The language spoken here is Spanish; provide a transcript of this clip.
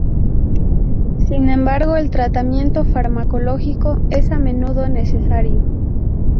Sin embargo, el tratamiento farmacológico es a menudo necesario.